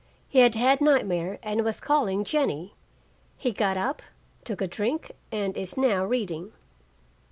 He had had nightmare and was calling "Jennie!" He got up, took a drink, and is now reading.